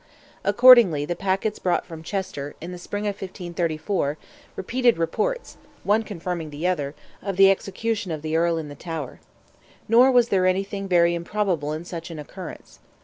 Accordingly the packets brought from Chester, in the spring of 1534, repeated reports, one confirming the other, of the execution of the Earl in the Tower. Nor was there anything very improbable in such an occurrence.